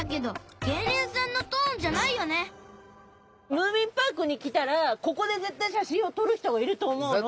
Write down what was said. ムーミンパークに来たらここで絶対写真を撮る人がいると思うの。